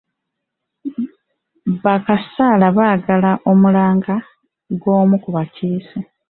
Ba kkansala baagaana omulanga gw'omu ku bakiise.